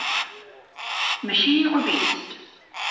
_Machine or Beast?